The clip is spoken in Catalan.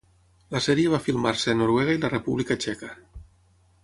La sèrie va filmar-se a Noruega i la República Txeca.